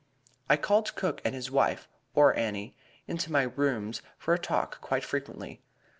I called Cook and his wife, or Annie, into my rooms for a talk quite frequently.